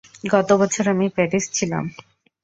গতবছর আমি প্যারিস ছিলাম।